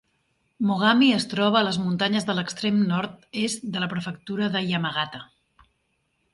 Mogami es troba a les muntanyes de l'extrem nord-est de la Prefectura de Yamagata.